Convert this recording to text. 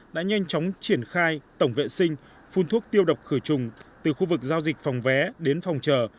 đã nhanh chóng triển khai tổng vệ sinh phun thuốc tiêu độc khử trùng từ khu vực giao dịch phòng vé đến phòng chờ